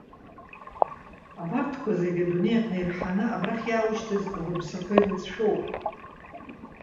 Абарҭқәа зегьы, адунеи аҟны ирҳаны, абрахь иааушьҭыз агәырԥсақәа ирылҵшәоуп.